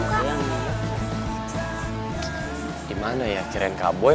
gimana ya kirain kak boy